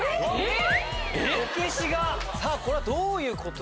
さぁこれはどういうこと。